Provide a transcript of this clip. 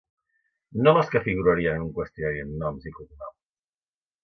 No les que figurarien en un qüestionari amb noms i cognoms.